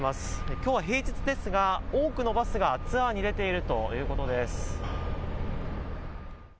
きょうは平日ですが多くのバスがツアーに出ているということです。